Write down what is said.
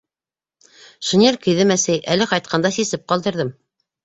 — Шинель кейҙем, әсәй, әле ҡайтҡанда сисеп ҡалдырҙым.